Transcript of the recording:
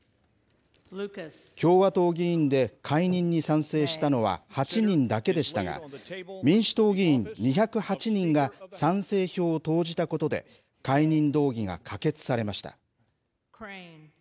共和党議員で解任に賛成したのは８人だけでしたが、民主党議員２０８人が賛成票を投じたことで、解任動議が可決されました。